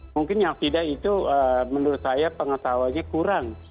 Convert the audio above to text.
mungkin yang tidak itu menurut saya pengetahuannya kurang